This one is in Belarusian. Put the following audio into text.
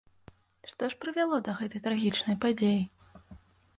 Што ж прывяло да гэтай трагічнай падзеі?